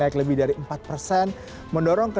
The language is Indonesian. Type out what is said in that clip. saham tesla nvidia dan saham pertumbuhan mega cap lainnya